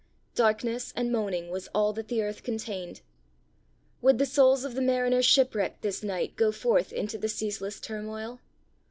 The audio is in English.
Darkness and moaning was all that the earth contained! Would the souls of the mariners shipwrecked this night go forth into the ceaseless turmoil?